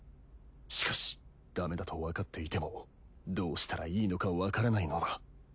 しかしダメだとわかっていてもどうしたらいいのかわからないのだ。